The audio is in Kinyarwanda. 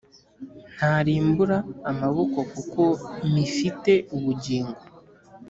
Nkarimbura amaboko kuko mifite ubugingo